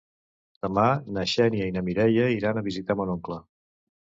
Demà na Xènia i na Mireia iran a visitar mon oncle.